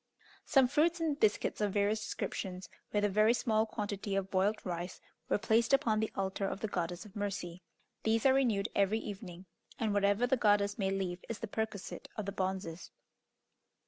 Some fruit and biscuits of various descriptions, with a very small quantity of boiled rice, were placed upon the altar of the Goddess of Mercy. These are renewed every evening, and whatever the goddess may leave is the perquisite of the bonzes.